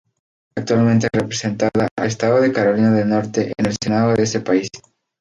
Actualmente representada al estado de Carolina del Norte en el Senado de ese país.